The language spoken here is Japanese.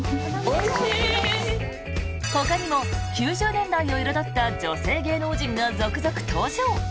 ほかにも９０年代を彩った女性芸能人が続々登場！